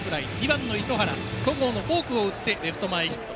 ２番、糸原、戸郷のフォークを打ってレフト前ヒット。